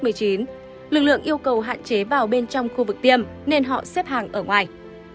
lực lượng yêu cầu hạn chế vào bên trong khu vực tiêm nên họ xếp hàng ở ngoài